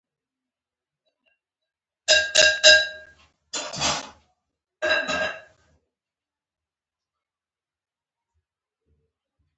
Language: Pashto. ورسره د دین سېمبولیکو مظاهرو التزام زیاتېږي.